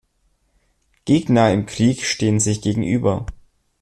Gegner im Krieg stehen sich gegenüber.